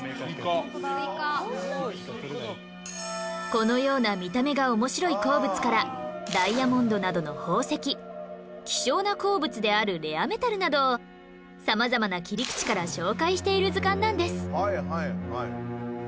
このような見た目が面白い鉱物からダイヤモンドなどの宝石希少な鉱物であるレアメタルなどを様々な切り口から紹介している図鑑なんです